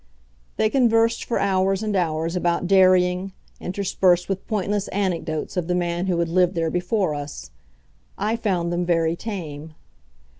They conversed for hours and hours about dairying, interspersed with pointless anecdotes of the man who had lived there before us. I found them very tame.